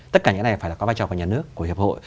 tất cả những cái này phải có vai trò của nhà nước của hiệp hội